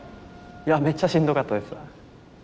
いやめっちゃしんどかったです。